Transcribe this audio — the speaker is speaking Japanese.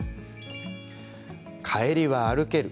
「帰りは歩ける」。